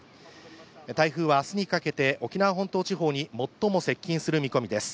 台風は明日にかけて沖縄本島地方に最も接近する見込みです。